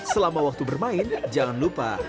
selama waktu bermain jangan lupa